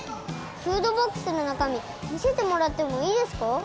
フードボックスのなかみみせてもらってもいいですか？